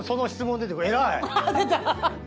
出た！